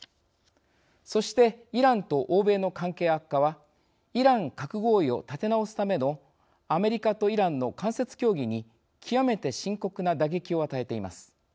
そしてイランと欧米の関係悪化はイラン核合意を立て直すためのアメリカとイランの間接協議に極めて深刻な打撃を与えています。